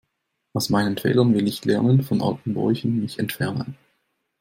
Aus meinen Fehlern will ich lernen, von alten Bräuchen mich entfernen.